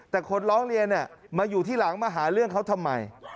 แต่คนร้องเรียนมาอยู่ที่หลังมาหาเรื่องเขาทำไม